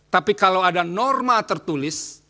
tapi kalau ada norma tertulis